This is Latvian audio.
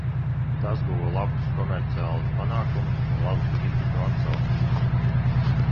Tas guva labus komerciālus panākumus un labas kritiķu atsauksmes.